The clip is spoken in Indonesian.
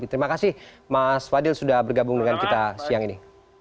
terima kasih mas fadil sudah bergabung dengan kita siang ini